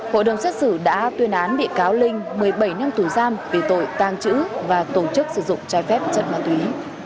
hội đồng xét xử đã tuyên án bị cáo linh một mươi bảy năm tù giam về tội tàng trữ và tổ chức sử dụng trái phép chất ma túy